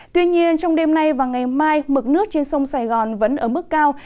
tuy nhiên trong đêm nay và ngày mai mực nước trên sông sài gòn vẫn ở mức cao